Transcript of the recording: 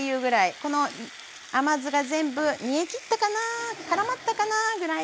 この甘酢が全部煮えきったかなぁからまったかなぐらいで出来上がりです。